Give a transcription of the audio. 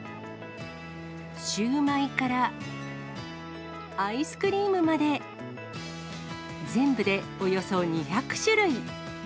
シューマイからアイスクリームまで、全部でおよそ２００種類。